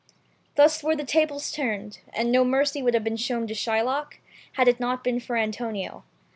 Thus were the tables turned, and no mercy would have been shown to Shylock, had it not been for Antonio.